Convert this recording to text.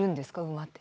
馬って。